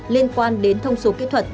liên quan đến thông số kỹ thuật